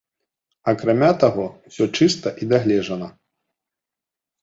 Акрамя таго, усё чыста і дагледжана.